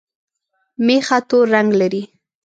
مېخه تور رنګ لري